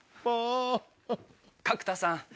角田さん